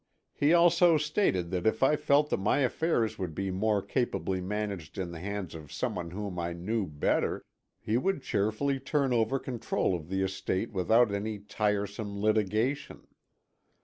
He also stated that if I felt that my affairs would be more capably managed in the hands of someone whom I knew better he would cheerfully turn over control of the estate without any tiresome litigation.